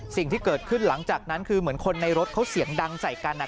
สิ่งที่เกิดขึ้นหลังจากนั้นคือเหมือนคนในรถเขาเสียงดังใส่กัน